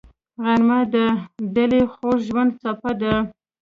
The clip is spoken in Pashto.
غرمه د دلي خوږ ژوند څپه ده